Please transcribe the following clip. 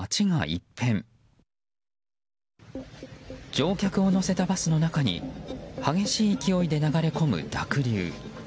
乗客を乗せたバスの中に激しい勢いで流れ込む濁流。